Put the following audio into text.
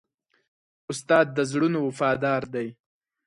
استاد د زړونو وفادار دی.